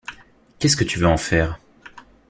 Qu’est-ce que tu en veux faire?